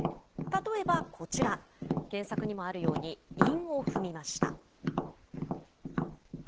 例えばこちら、原作にもあるように、韻を踏みました。